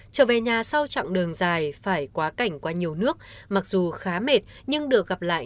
trở về nhà sau chặng đường dài phải quá cảnh qua nhiều nước mặc dù khá mệt nhưng được gặp lại